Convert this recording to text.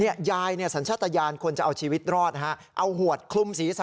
ยายสัญชาตยานควรจะเอาชีวิตรอดเอาหวดคลุมศีรษะ